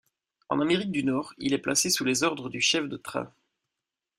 En Amérique du Nord, il est placé sous les ordres du chef de train.